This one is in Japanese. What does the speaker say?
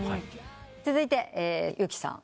続いてうきさん。